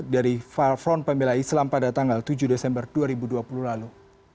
dari far front pemilai islam pada tanggal tujuh desember dua ribu dua puluh lalu